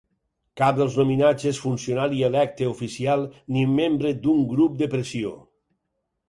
Cap dels nominats és funcionari electe oficial ni membre d'un grup de pressió.